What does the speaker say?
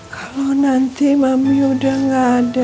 kalau nanti mami udah gak ada